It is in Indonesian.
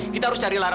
kita harus cari lara